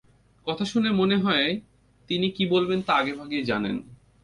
কথা শুনে মনে হয় তিনি কী বলবেন তা আগেভাগেই জানেন।